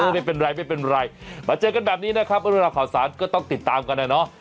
ไม่เป็นไรไม่เป็นไรมาเจอกันแบบนี้นะครับเรื่องราวข่าวสารก็ต้องติดตามกันนะเนาะ